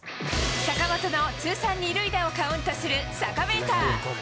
坂本の通算２塁打をカウントするサカメーター。